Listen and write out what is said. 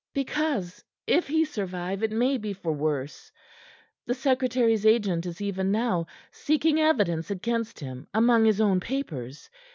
"Because if he survive it may be for worse. The secretary's agent is even now seeking evidence against him among his own papers.